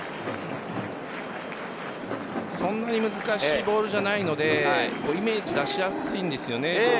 そんなに難しいボールじゃないのでイメージ出しやすいんですよね。